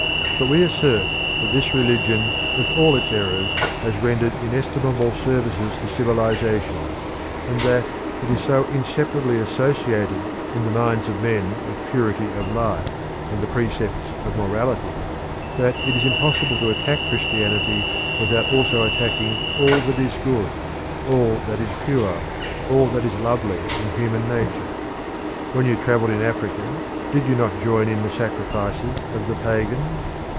But we assert that this religion with all its errors has rendered inestimable services to civilisation, and that it is so inseparably associated in the minds of men with purity of life, and the precepts of morality, that it is impossible to attack Christianity without also attacking all that is good, all that is pure, all that is lovely in human nature. When you travelled in Africa did you not join in the sacrifices of the pagans?